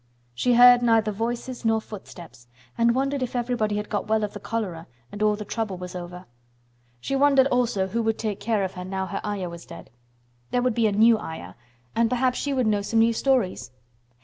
She heard neither voices nor footsteps, and wondered if everybody had got well of the cholera and all the trouble was over. She wondered also who would take care of her now her Ayah was dead. There would be a new Ayah, and perhaps she would know some new stories.